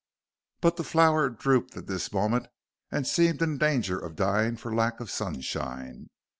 But the flower drooped at this moment and seemed in danger of dying for lack of sunshine.